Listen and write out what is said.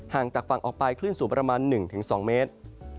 จากฝั่งออกไปคลื่นสูงประมาณ๑๒เมตร